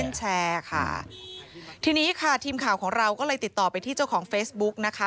แชร์ค่ะทีนี้ค่ะทีมข่าวของเราก็เลยติดต่อไปที่เจ้าของเฟซบุ๊กนะคะ